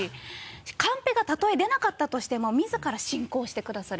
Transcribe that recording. カンペがたとえ出なかったとしても自ら進行してくださる。